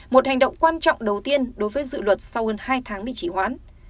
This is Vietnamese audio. một hành động quan trọng đầu tiên đối với dự luật sau hơn hai tháng bị chỉ hoãn